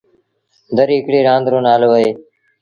دريٚ هڪڙيٚ رآند رو نآلو اهي۔